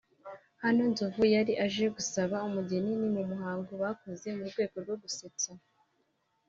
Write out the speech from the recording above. Hano Nzovu yari aje gusaba umugeni( ni umuhango bakoze mu rwego rwo gusetsa)